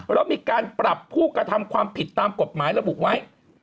แล้วมีการปรับผู้กระทำความผิดตามกฎหมายระบุไว้